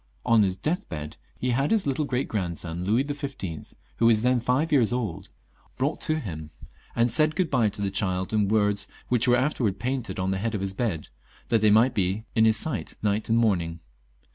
On his death bed he had his little great grandson Louis XV., who was then five years old, brought to him, and said good bye io the child in words which were afterwards painted on the head of his bed, that they might be in his sight night and morning.